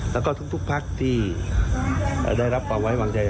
และก็ทุกภักดิ์ที่ได้รับความไว้หวังใจ